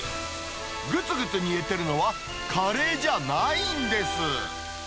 ぐつぐつ煮えてるのはカレーじゃないんです。